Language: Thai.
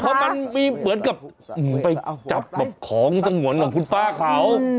เพราะมันมีเหมือนกับไปจับของสงวนของคุณป้าเขา